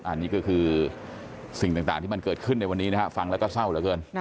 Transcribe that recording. อันนี้ก็คือสิ่งต่างที่มันเกิดขึ้นในวันนี้นะฮะฟังแล้วก็เศร้าเหลือเกิน